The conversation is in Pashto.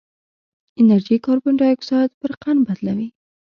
انرژي کاربن ډای اکسایډ پر قند تبدیلوي.